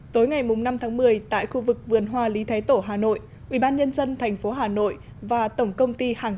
tối ngày năm tháng một mươi tại khu vực vườn hoa lý thái tổ hà nội ubnd tp hà nội và tổng công ty hàng